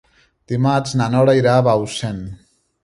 Dimarts na Nora irà a Bausen.